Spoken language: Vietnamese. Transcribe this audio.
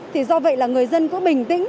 thì do vậy là người dân cứ bình tĩnh